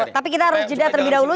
tapi kita harus jeda terlebih dahulu